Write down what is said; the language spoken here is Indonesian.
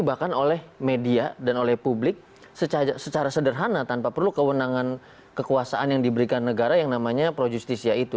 bahkan oleh media dan oleh publik secara sederhana tanpa perlu kewenangan kekuasaan yang diberikan negara yang namanya pro justisia itu